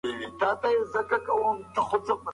ګلالۍ د خپل زوی لپاره نوې جامې ګنډلې وې.